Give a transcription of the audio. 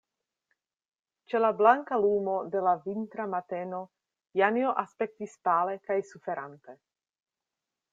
Ĉe la blanka lumo de la vintra mateno Janjo aspektis pale kaj suferante.